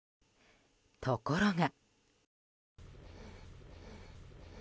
ところが。